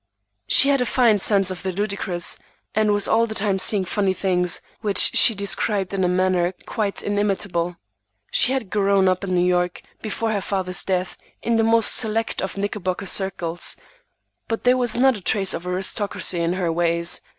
She had a fine sense of the ludicrous and was all the time seeing funny things, which she described in a manner quite inimitable. She had grown up in New York, before her father's death, in the most select of Knickerbocker circles, but there was not a trace of aristocracy in her ways.